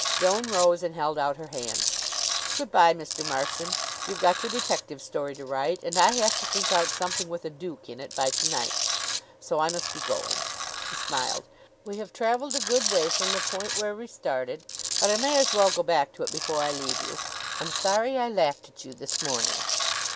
Joan rose and held out her hand. "Good by, Mr. Marson. You've got your detective story to write, and I have to think out something with a duke in it by to night; so I must be going." She smiled. "We have traveled a good way from the point where we started, but I may as well go back to it before I leave you. I'm sorry I laughed at you this morning."